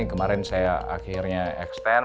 kemarin saya akhirnya extend